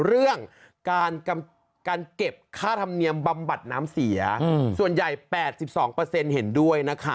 เรื่องการเก็บค่าธรรมเนียมบำบัดน้ำเสียส่วนใหญ่๘๒เห็นด้วยนะคะ